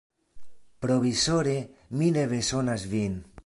Provizore mi ne bezonas vin.